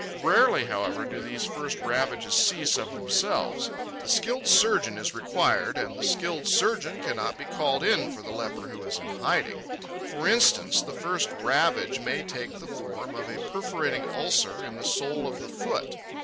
Rarely, however, do these first ravages cease of themselves. The skilled surgeon is required, and the skilled surgeon cannot be called in for the leper who is in hiding. For instance, the first ravage may take the form of a perforating ulcer in the sole of the foot.